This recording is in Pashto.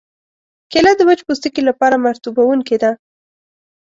کېله د وچ پوستکي لپاره مرطوبوونکې ده.